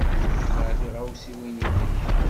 Jmeɛ tiɣawsiwin-nnek.